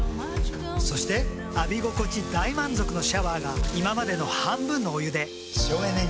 そして浴び心地大満足のシャワーが今までの半分のお湯で省エネに。